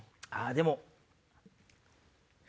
あっでも。